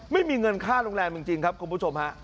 ไม่มีเงินค่าโรงแรมจริงครับคุณผู้ชมฮะ